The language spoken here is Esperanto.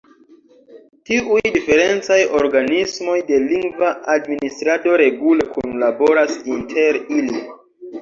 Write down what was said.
Tiuj diferencaj organismoj de lingva administrado regule kunlaboras inter ili.